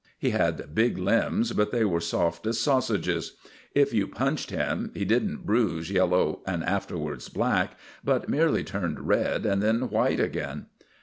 He had big limbs, but they were soft as sausages. If you punched him he didn't bruise yellow and afterwards black, but merely turned red and then white again.